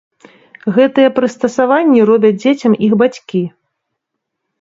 Гэтыя прыстасаванні робяць дзецям іх бацькі!